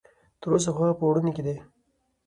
تر اوسه خو هغه په وړوني کې ده.